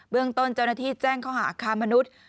เรื่องต้นเจ้าหน้าที่แจ้งข้อหาค้ามนุษย์